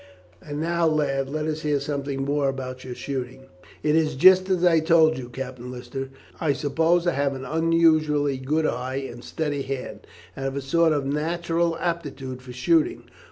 "And now, lad, let us hear something more about your shooting." "It is just as I told you, Captain Lister. I suppose I have an unusually good eye and steady hand, and have a sort of natural aptitude for shooting.